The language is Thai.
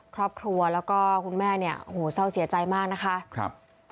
ครอบครัวแล้วก็คุณแม่เนี่ยโอ้โหเศร้าเสียใจมากนะคะครับ